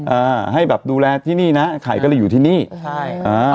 อ่าให้แบบดูแลที่นี่นะไข่ก็เลยอยู่ที่นี่ใช่อ่า